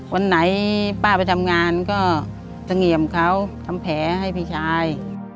วันไหนป้าไปทำงานก็เสงี่ยมเขาทำแผลให้พี่ชาย